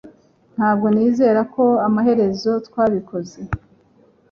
Ntabwo nizera ko amaherezo twabikoze